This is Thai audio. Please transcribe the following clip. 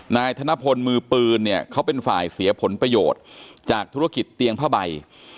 นายธนพลมือปืนเนี่ยเขาเป็นฝ่ายเสียผลประโยชน์จากธุรกิจเตียงผ้าใบ